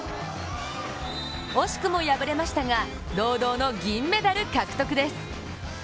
惜しくも敗れましたが堂々の銀メダル獲得です。